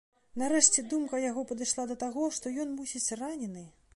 Нарэшце думка яго падышла да таго, што ён, мусіць, ранены.